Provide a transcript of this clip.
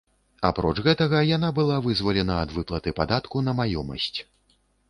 Апроч гэтага, яна была вызвалена ад выплаты падатку на маёмасць.